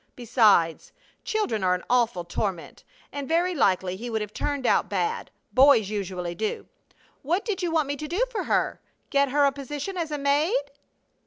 Besides, children are an awful torment, and very likely he would have turned out bad. Boys usually do. What did you want me to do for her? Get her a position as a maid?"